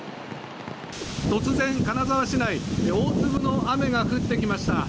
突然、金沢市内大粒の雨が降ってきました。